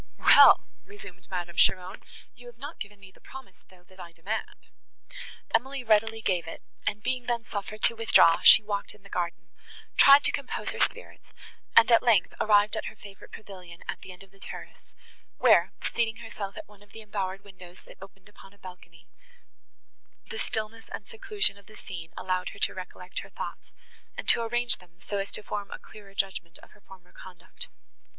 "Well!" resumed Madame Cheron, "you have not given me the promise, though, that I demand." Emily readily gave it, and, being then suffered to withdraw, she walked in the garden; tried to compose her spirits, and, at length, arrived at her favourite pavilion at the end of the terrace, where, seating herself at one of the embowered windows, that opened upon a balcony, the stillness and seclusion of the scene allowed her to recollect her thoughts, and to arrange them so as to form a clearer judgment of her former conduct.